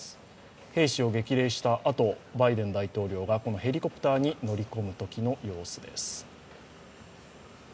兵士を激励したあと、バイデン大統領がヘリコプターに乗り込むときの様子です。